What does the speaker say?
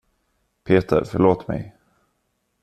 Peter, förlåt mig.